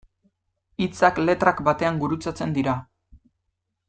Hitzak letrak batean gurutzatzen dira.